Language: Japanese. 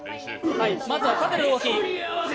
まずは縦の動き。